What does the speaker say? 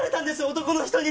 男の人に。